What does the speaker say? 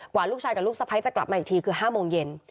ลูกชายกับลูกสะพ้ายจะกลับมาอีกทีคือ๕โมงเย็น